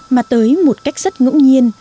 mà tới một cách rất ngẫu nhiên